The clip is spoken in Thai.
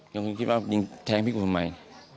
ยังคือว่ายิงแทงพิขุภัณฑ์ใหม่